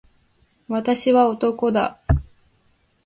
私は男だ。